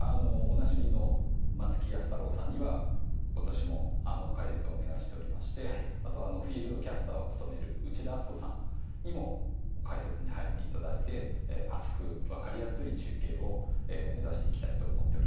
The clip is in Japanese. おなじみの松木安太郎さんには今年も解説をお願いしておりましてあとフィールドキャスターを務める内田篤人さんにも解説に入って頂いて熱くわかりやすい中継を目指していきたいと思っております。